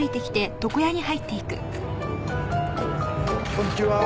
こんちは。